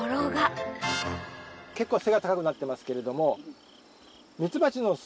結構背が高くなってますけれども。